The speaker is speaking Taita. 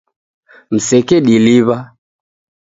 Msekediliw'a